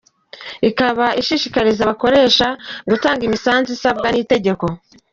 Ikaba ishishikariza abakoresha gutanga imisanzu isabwa n’itegeko.